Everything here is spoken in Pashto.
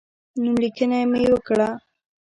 نوملیکنه مې وکړه.